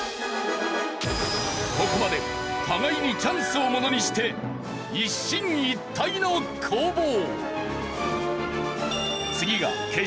ここまで互いにチャンスをものにして一進一退の攻防。